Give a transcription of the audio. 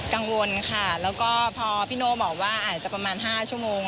กังวลค่ะแล้วก็พอพี่โน่บอกว่าอาจจะประมาณ๕ชั่วโมง